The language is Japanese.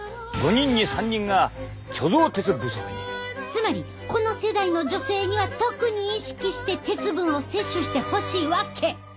つまりこの世代の女性には特に意識して鉄分を摂取してほしいわけ！